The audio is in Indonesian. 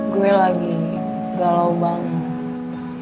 gue lagi galau banget